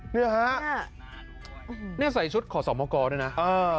เนี่ยฮะนี่ใส่ชุดขอสมกรด้วยนะเออ